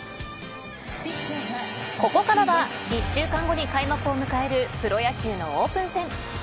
ここからは１週間後に開幕を迎えるプロ野球のオープン戦。